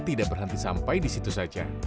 tidak berhenti sampai di situ saja